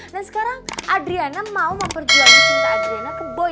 dan sekarang adriana mau memperjuangkan cinta adriana ke boy